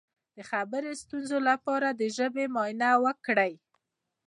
د خبرو د ستونزې لپاره د ژبې معاینه وکړئ